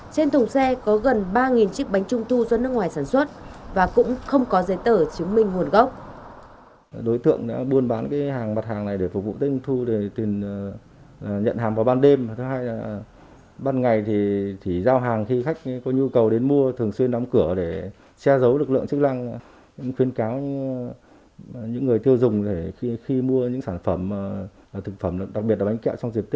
trên thùng xe có gần ba chiếc bánh trung thu do nước ngoài sản xuất và cũng không có giấy tờ chứng minh nguồn gốc